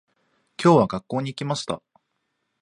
今日は、学校に行きました。